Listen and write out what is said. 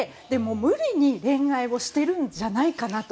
無理に恋愛をしているんじゃないかなと。